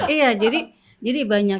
iya jadi banyak